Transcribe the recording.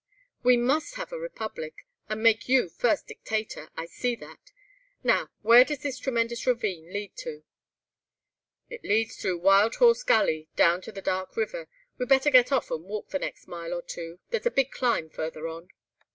"We must have a republic, and make you first Dictator, I see that. Now, where does this tremendous ravine lead to?" "It leads through Wild Horse Gully, down to the Dark River—we'd better get off and walk the next mile or two—there's a big climb further on."